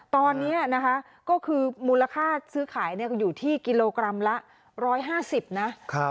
ตอนนี้นะคะก็คือมูลค่าซื้อขายอยู่ที่กิโลกรัมละ๑๕๐นะ